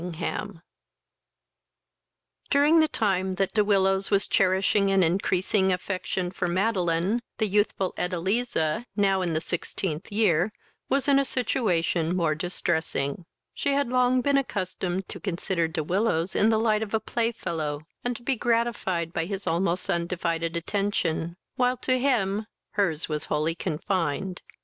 III During the time that De Willows was cherishing an increasing affection for Madeline, the youthful Edeliza, now in the sixteenth year, was in a situation more distressing. She had long been accustomed to consider De Willows in the light of a playfellow, and to be gratified by his almost undivided attention, while to him her's was wholly confined.